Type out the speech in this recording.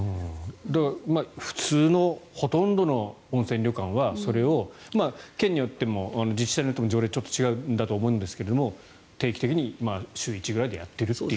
だから普通のほとんどの温泉旅館はそれを県によっても自治体によっても、条例がちょっと違うんだと思いますが定期的に週１ぐらいでやっているという。